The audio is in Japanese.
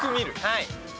はい。